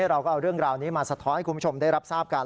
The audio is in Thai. เราก็เอาเรื่องราวนี้มาสะท้อนให้คุณผู้ชมได้รับทราบกัน